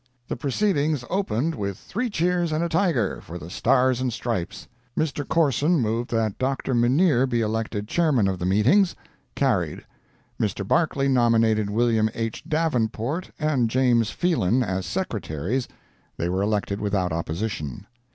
The proceedings opened with three cheers and a tiger for the stars and stripes. Mr. Corson moved that Dr. Minneer be elected chairman of the meetings. Carried. Mr. Barclay nominated Wm. H. Davenport and James Phelan as Secretaries. They were elected without opposition.